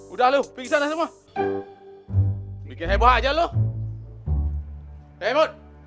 udah lu pingsan semua bikin heboh aja lu